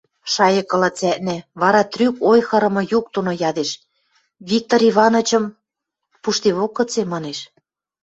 шайыкыла цӓкна, вара трӱк ойхырымы юк доно ядеш: – Виктор Иванычым пуштевок гыце?! – манеш.